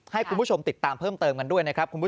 ให้คุณผู้ชมติดตามเพิ่มเติมกันด้วย